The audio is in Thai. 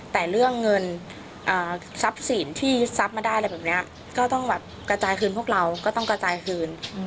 แต่เรื่องเงินทรัพย์สินที่ทรัพย์มาได้อะไรแบบนี้ก็ต้องแบบกระจายคืนพวกเราก็ต้องกระจายคืน